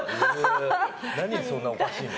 何がそんなおかしいの？